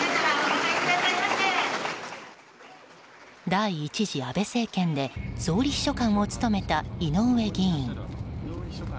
第１次安倍政権で総理秘書官を務めた井上議員。